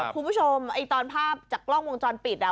คุณผู้ชมตอนภาพจากกล้องวงจรปิด